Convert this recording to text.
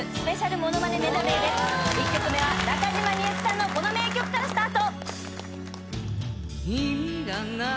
１曲目は中島みゆきさんのこの名曲からスタート！